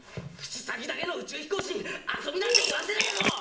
口先だけの宇宙飛行士に「遊び」なんて言わせねえぞ！